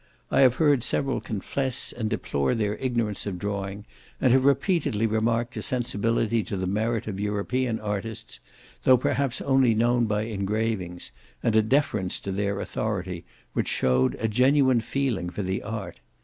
I have heard several confess and deplore their ignorance of drawing, and have repeatedly remarked a sensibility to the merit of European artists, though perhaps only known by engravings, and a deference to their authority, which showed a genuine feeling for the art.